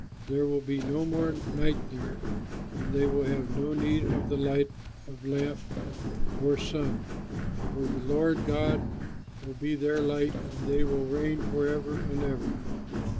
There will be no more night there, and they will have no need of the light of lamp or sun, for the Lord God will be their light, and they will reign forever and ever.